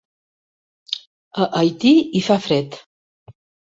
A Haití hi fa fred